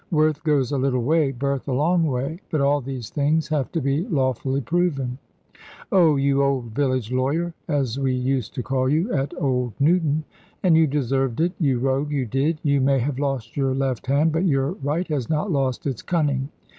Worth goes a little way; birth a long way. But all these things have to be lawfully proven." "Oh, you old village lawyer; as we used to call you, at Old Newton. And you deserved it, you rogue, you did. You may have lost your left hand; but your right has not lost its cunning."